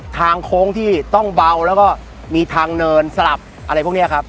โค้งที่ต้องเบาแล้วก็มีทางเนินสลับอะไรพวกนี้ครับ